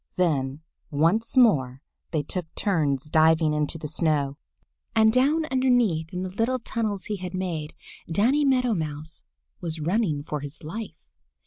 Then once more they took turns diving into the snow. And down underneath in the little tunnels he had made, Danny Meadow Mouse was running for his life.